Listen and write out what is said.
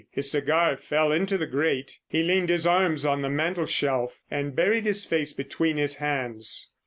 His cigar fell into the grate, he leaned his arms on the mantelshelf and buried his face between his hands.